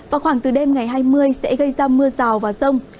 vào khoảng từ đêm ngày hai mươi sẽ gây ra mưa rào và rông